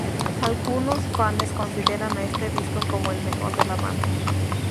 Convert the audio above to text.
Algunos fanes consideran a este disco como el mejor de la banda.